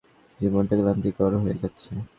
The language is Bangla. জীবনটা ক্লান্তিকর হয়ে যাচ্ছে।